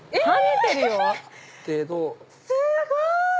すごーい！